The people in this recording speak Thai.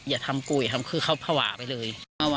อย่าทำกูอย่าทำคือเขาภาวะไปเลย